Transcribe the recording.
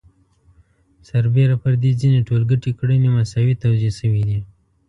سربېره پر دې ځینې ټولګټې کړنې مساوي توزیع شوي دي